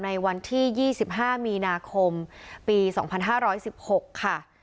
ในวันที่๒๕มีนาคมปี๒๕๑๖ค่ะ